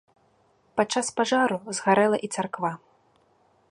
Падчас пажару згарэла і царква.